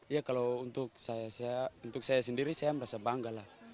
ya kalau untuk saya sendiri saya merasa bangga lah